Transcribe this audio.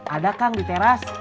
ada kang diteras